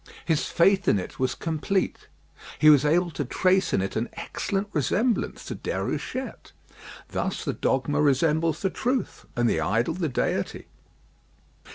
His faith in it was complete. He was able to trace in it an excellent resemblance to Déruchette. Thus the dogma resembles the truth, and the idol the deity.